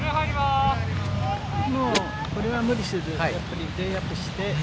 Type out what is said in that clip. もう、これは無理せず、やっぱりレイアップして。